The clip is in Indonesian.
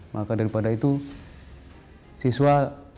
maka daripada itu siswa